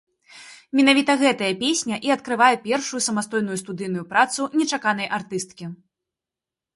Менавіта гэтая песня і адкрывае першую самастойную студыйную працу нечаканай артысткі.